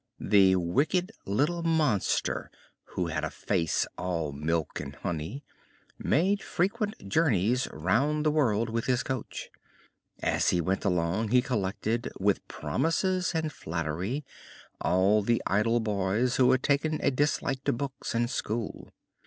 The wicked little monster, who had a face all milk and honey, made frequent journeys round the world with his coach. As he went along he collected, with promises and flattery, all the idle boys who had taken a dislike to books and school.